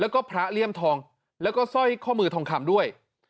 แล้วก็พระเลี่ยมทองแล้วก็สร้อยข้อมือทองคำด้วย